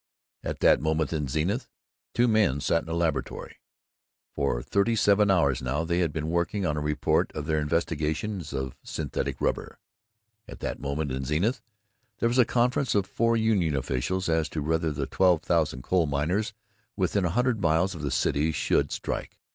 At that moment in Zenith, two men sat in a laboratory. For thirty seven hours now they had been working on a report of their investigations of synthetic rubber. At that moment in Zenith, there was a conference of four union officials as to whether the twelve thousand coal miners within a hundred miles of the city should strike.